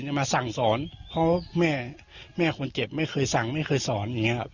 จะมาสั่งสอนเพราะแม่คนเจ็บไม่เคยสั่งไม่เคยสอน